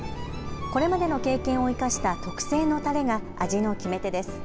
これまでの経験を生かした特製のたれが味の決め手です。